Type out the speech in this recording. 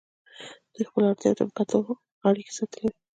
دوی خپلو اړتیاوو ته په کتو اړیکې ساتلې وې.